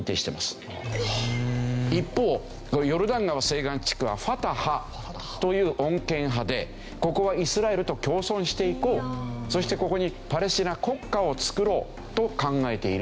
一方ヨルダン川西岸地区はファタハという穏健派でここはイスラエルと共存していこうそしてここにパレスチナ国家をつくろうと考えている。